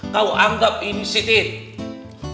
kau anggap ini si titik